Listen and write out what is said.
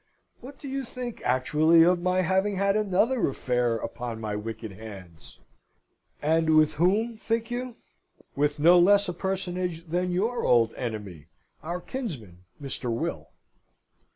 What do you think actually of my having had another affair upon my wicked hands, and with whom, think you? With no less a personage than your old enemy, our kinsman, Mr. Will.